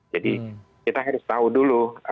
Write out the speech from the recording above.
jadi kita harus tahu dulu